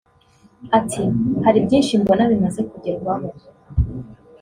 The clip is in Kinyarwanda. Ati “hari byinshi mbona bimaze kugerwaho